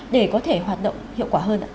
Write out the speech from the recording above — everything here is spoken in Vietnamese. để có thể hoạt động hiệu quả hơn